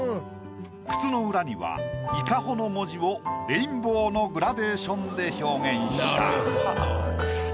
靴の裏には「ＩＫＡＨＯ」の文字をレインボーのグラデーションで表現した。